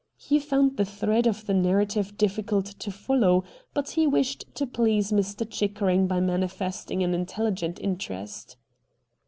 He found the thread of the narrative difficult to follow, but he wished to please Mr. Chickering by manifesting an intelligent in terest.